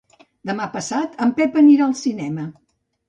Demà passat en Pep anirà al cinema.